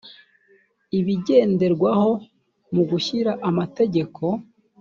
ibigenderwaho mu gushyira amategeko